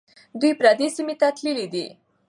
دوی پردي سیمې ته تللي دي.